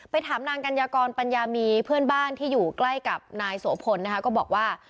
ถามนางกัญญากรปัญญามีเพื่อนบ้านที่อยู่ใกล้กับนายโสพลนะคะก็บอกว่า